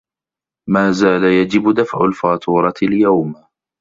مازال يجب دفع الفاتورة اليوم.